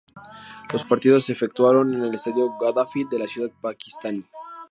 Los partidos se efectuaron en el Estadio Gaddafi de la ciudad pakistaní.